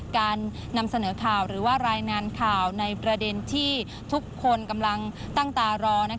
การนำเสนอข่าวหรือว่ารายงานข่าวในประเด็นที่ทุกคนกำลังตั้งตารอ